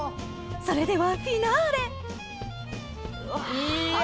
それではフィナーレいや！